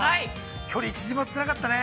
距離、縮まってなかったね。